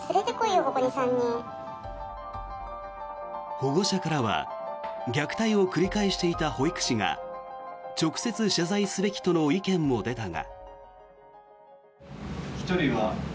保護者からは虐待を繰り返していた保育士が直接謝罪すべきとの意見も出たが。